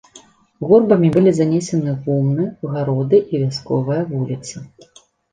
Гурбамі былі занесены гумны, гароды і вясковая вуліца.